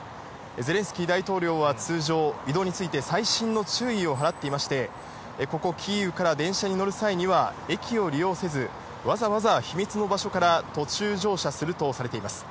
ゼレンスキー大統領は通常、移動について細心の注意を払っていまして、ここキーウから電車に乗る際には、駅を利用せず、わざわざ秘密の場所から途中乗車するとされています。